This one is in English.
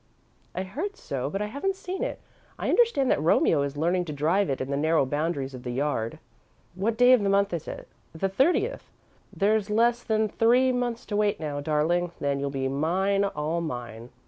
"I heard so, but I haven't seen it. I understand that Romeo is learning to drive it in the narrow boundaries of the yard." "What day of the month is it?" "The thirtieth. There's less than three months to wait now, darling then you'll be mine, all mine."